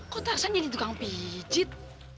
kok tarzan jadi tukang pijit